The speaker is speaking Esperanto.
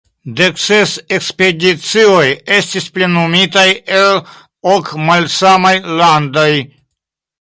Dekses ekspedicioj estis plenumitaj el ok malsamaj landoj.